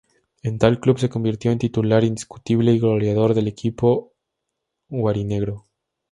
En tal club se convirtió en titular indiscutible y goleador del equipo aurinegro.